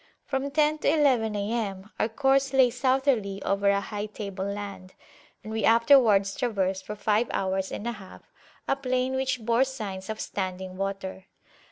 From ten to eleven A.M. our course lay southerly over a high table land, and we afterwards traversed, for five hours and a half, a plain which bore signs of standing water.